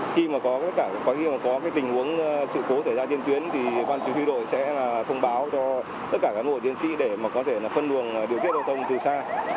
khi mà có tình huống sự cố xảy ra trên tuyến thì quan chức huy đội sẽ thông báo cho tất cả cán bộ chiến sĩ để có thể phân luồng điều tiết giao thông từ xa